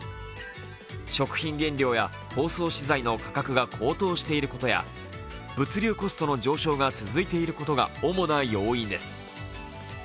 食品原料や包装資材の価格が高騰していることや物流コストの上昇が続いていることが主な要因です。